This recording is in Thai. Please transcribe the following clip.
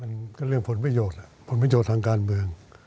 มันก็เรื่องผลไม่โยกผลไม่โยกทางการเมือง